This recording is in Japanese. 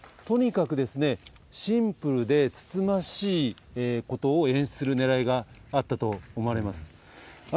とにかくシンプルで慎ましいことを演出するねらいがあったと思われます。